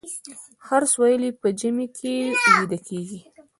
خرس ولې په ژمي کې ویده کیږي؟